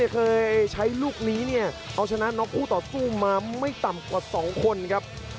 เคยใช้ลูกนี้เนี่ยเอาชนะน็อกคู่ต่อสู้มาไม่ต่ำกว่า๒คนครับ